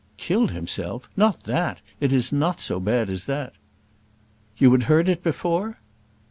"Killed himself! Not that. It is not so bad as that." "You had heard it before?"